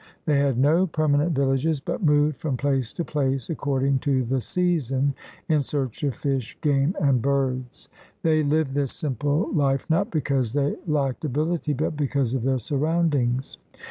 They had no per manent villages, but moved from place to place according to the season in search of fish, game, and birds. They lived this simple life not because they lacked ability but because of their surroundings.